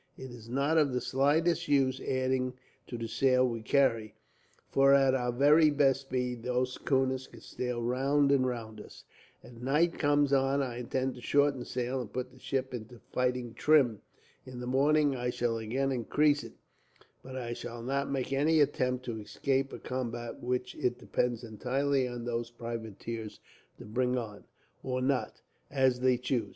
It is not of the slightest use adding to the sail we carry, for at our very best speed, those schooners could sail round and round us. As night comes on I intend to shorten sail, and put the ship into fighting trim. In the morning I shall again increase it, but I shall not make any attempt to escape a combat which it depends entirely on those privateers to bring on, or not, as they choose.